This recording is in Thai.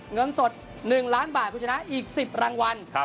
เงินสด๑ล้านบาทคุณชนะอีก๑๐รางวัล